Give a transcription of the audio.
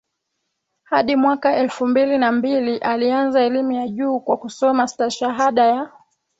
hadi mwaka elfu mbili na mbili alianza elimu ya juu kwa kusoma Stashahada ya